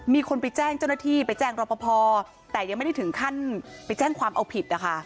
มีคนไปแจ้งเจ้าหน้าที่ไปแจ้งรอปภแต่ยังไม่ได้ถึงขั้นไปแจ้งความเอาผิดนะคะ